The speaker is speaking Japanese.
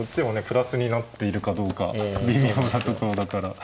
プラスになっているかどうか微妙なところだから。